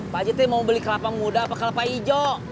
pak jt mau beli kelapa muda apa kelapa hijau